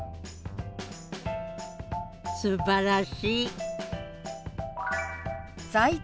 すばらしい！